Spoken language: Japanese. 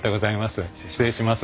失礼します。